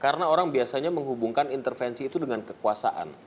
karena orang biasanya menghubungkan intervensi itu dengan kekuasaan